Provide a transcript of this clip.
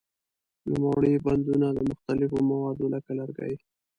نوموړي بندونه د مختلفو موادو لکه لرګي.